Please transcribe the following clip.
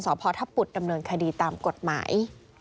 พทปุดดำเนินคดีตามกฎหมาย